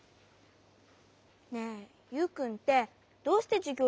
ねえユウくんってどうしてじゅぎょう